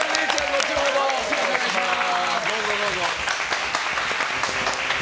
後ほどお願いします。